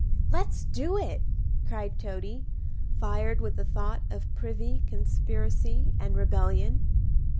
"Let's do it!" cried Toady, fired with the thought of privy conspiracy and rebellion.